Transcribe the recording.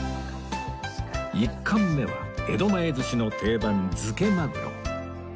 １貫目は江戸前寿司の定番ヅケマグロ